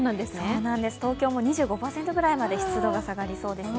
東京も２５％ぐらいまで湿度が下がりそうですね。